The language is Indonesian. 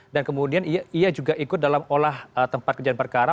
dan kemudian ia juga ikut dalam olah tempat kejadian perkara